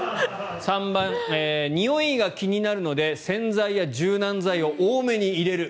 ３番、においが気になるので洗剤や柔軟剤を多めに入れる。